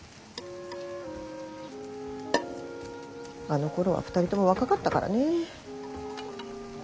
あのころは２人とも若かったからね。